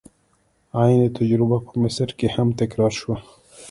عین تجربه په مصر کې هم تکرار شوه.